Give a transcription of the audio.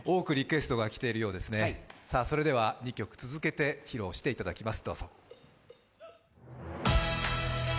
２曲続けて披露していただきます。